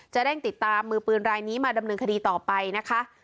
เร่งติดตามมือปืนรายนี้มาดำเนินคดีต่อไปนะคะ